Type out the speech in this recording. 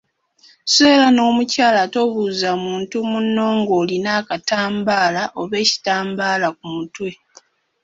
So era n’omukyala tobuuza muntu munno ng’olina akatambaala oba ekitambaala ku mutwe.